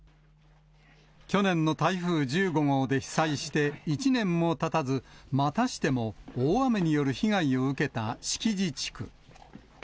去年の台風１５号で被災して１年もたたず、またしても大雨による被害を受けた敷地地区。